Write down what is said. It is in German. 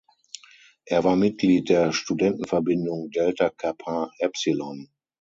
Er war Mitglied der Studentenverbindung Delta Kappa Epsilon.